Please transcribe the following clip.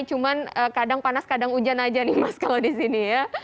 cuma kadang panas kadang hujan saja kalau di sini